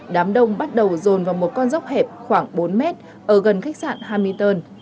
đám đông bắt đầu rồn vào một con dốc hẹp khoảng bốn m ở gần khách sạn hamilton